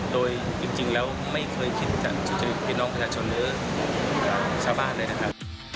โดยจริงแล้วไม่เคยคิดจะพี่น้องประชาชนหรือชาวบ้านเลยนะครับ